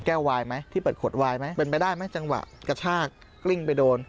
วายไหมที่เปิดขวดวายไหมเป็นไปได้ไหมจังหวะกระชากกลิ้งไปโดน